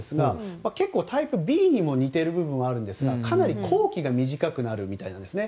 結構、タイプＢに似ている部分もあるんですがかなり工期が短くなるみたいですね。